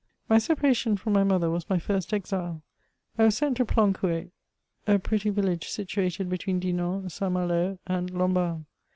My separatioii from my mother was my first exile. I was sent to Plancouet, a pretty Tillage situated between Dinan, St. Malo, and Lambidle.